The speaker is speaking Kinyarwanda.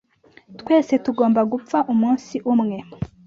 Twese tugomba gupfa umunsi umwe.